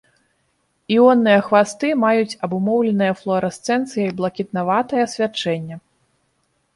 Іонныя хвасты маюць абумоўленае флуарэсцэнцыяй блакітнаватае свячэнне.